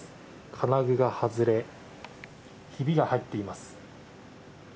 金具が外れ、ひびが入っています。